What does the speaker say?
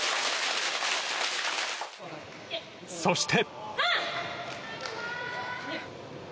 そして。